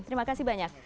terima kasih banyak